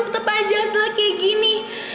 tetep aja selalu kayak gini